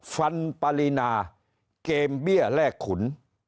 ฟันปารีนาเกมเบี้ยแลกขุน